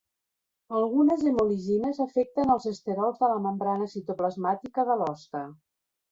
Algunes hemolisines afecten els esterols de la membrana citoplasmàtica de l'hoste.